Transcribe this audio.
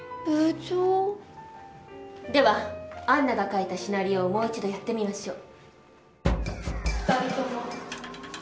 では杏奈が書いたシナリオをもう一度やってみましょう。